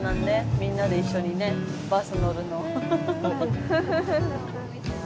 みんなで一緒にバス乗るの。